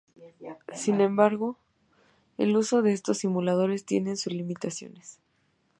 Sin embargo, el uso de estos simuladores tiene sus limitaciones.